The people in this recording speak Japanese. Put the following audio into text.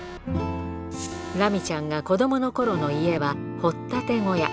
ラミちゃんが子どものころの家は、掘っ立て小屋。